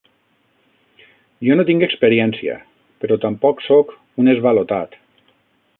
Jo no tinc experiència, però tampoc soc un esvalotat.